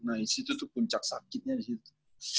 nah disitu tuh puncak sakitnya disitu